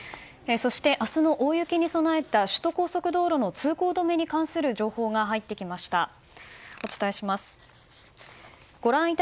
そして明日の大雪に備えた首都高速道路の通行止めに関する情報が入ってきました。